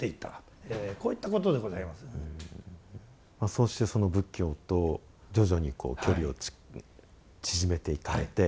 そうしてその仏教と徐々にこう距離を縮めていかれて。